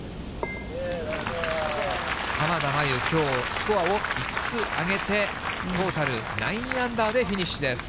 濱田茉優、きょう、スコアを５つ上げて、トータル９アンダーでフィニッシュです。